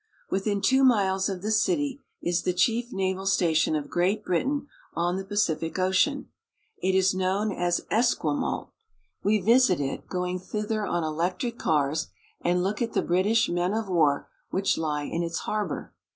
Within two miles of the city is the chief naval station of Great Britain on the Pacific Ocean. It is known as ESQUIMALT AND VANCOUVER. 317 Esquimalt We visit it, going thither on electric cars, and look at the British men of war which lie in its harbor.